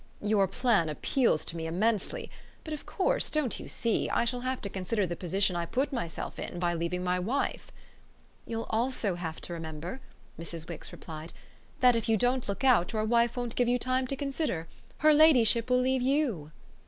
"Your plan appeals to me immensely; but of course don't you see I shall have to consider the position I put myself in by leaving my wife." "You'll also have to remember," Mrs. Wix replied, "that if you don't look out your wife won't give you time to consider. Her ladyship will leave YOU."